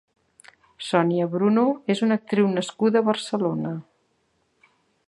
Sonia Bruno és una actriu nascuda a Barcelona.